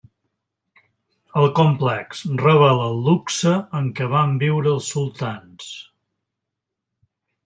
El complex revela el luxe en què van viure els sultans.